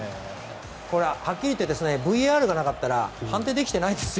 はっきり言ってＶＡＲがなかったら判定できていないですよ。